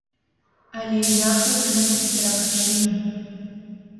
Але я хачу засцерагчы.